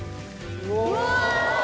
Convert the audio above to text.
うわ！